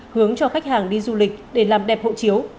hướng cho khách hàng đi du lịch để làm đẹp hộ chiếu